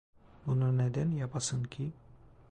Bunu neden yapasın ki?